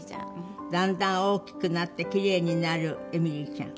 「だんだん大きくなってきれいになる絵実里ちゃん」